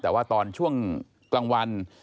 แต่ว่าตอนช่วงกลางวัน